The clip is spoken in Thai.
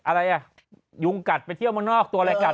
อะไรอ่ะยุงกัดไปเที่ยวเมืองนอกตัวอะไรกัด